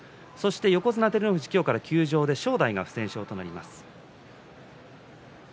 横綱照ノ富士は今日から休場で正代が不戦勝となります。